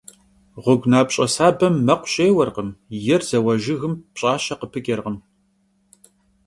Ğuegunapş'e sabem mekhu şêuerkhım, yêr zeua jjıgım pş'aşe khıpıç'erkhım.